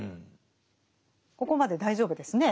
ここまで大丈夫ですね。